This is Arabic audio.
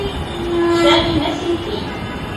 سامي مسيحي.